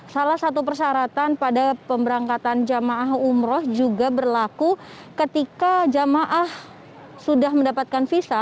salah satu persyaratan pada pemberangkatan jamaah umroh juga berlaku ketika jamaah sudah mendapatkan visa